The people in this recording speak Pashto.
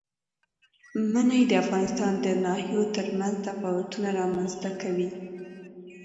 منی د افغانستان د ناحیو ترمنځ تفاوتونه رامنځ ته کوي.